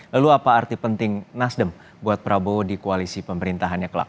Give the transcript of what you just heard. lalu apa arti penting nasdem buat prabowo di koalisi pemerintahannya kelak